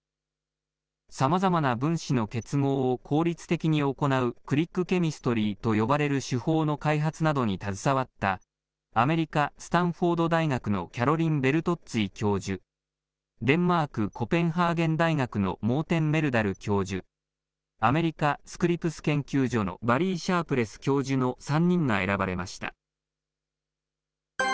さまざまな分子の結合を効率的に行うクリックケミストリーと呼ばれる手法の開発などに携わった、アメリカ、スタンフォード大学のキャロリン・ベルトッツィ教授、デンマーク、コペンハーゲン大学のモーテン・メルダル教授、アメリカ、スクリプス研究のバリー・シャープレス教授の３人が選ばれました。